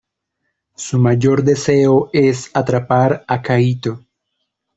Su mayor deseo es atrapar a Kaito.